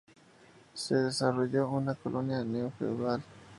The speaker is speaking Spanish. Se desarrolló una colonia neo-feudal.